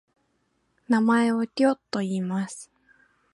名前をテョといいます。